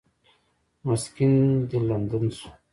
مسکن دې لندن شو.